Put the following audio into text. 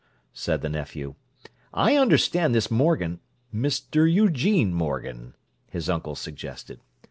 said the nephew. "I understand this Morgan—" "Mr. Eugene Morgan," his uncle suggested.